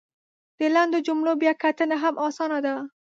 د لنډو جملو بیا کتنه هم اسانه ده !